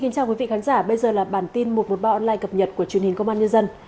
chào mừng quý vị đến với bản tin một trăm một mươi ba online cập nhật của truyền hình công an nhân dân